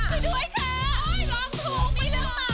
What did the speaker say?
อะไรอ่ะช่วยด้วยค่ะโอ้ยร้องทุกมีเรื่องเหมาอ่ะ